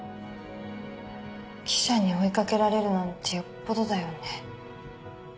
記者に追い掛けられるなんてよっぽどだよね。